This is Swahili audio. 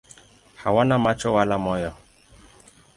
Hawana macho wala moyo.